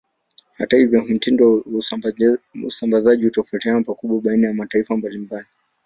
Hata hivyo, mtindo wa usambazaji hutofautiana pakubwa baina ya mataifa mbalimbali.